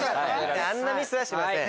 あんなミスはしません。